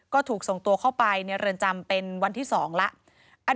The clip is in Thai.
ก็ถูกส่งตัวเข้าไปในเรือนจำเป็นวันที่๒แล้ว